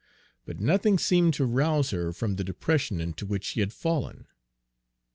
But nothing seemed to rouse her from the depression into which she had fallen.